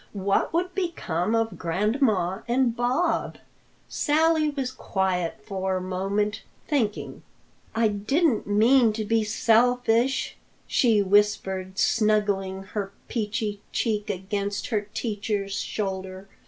What would become of Grandma and Bob?" Sally was quiet for a moment, thinking. "I didn't mean to be selfish," she whispered, snuggling her peachy cheek against her teacher's shoulder.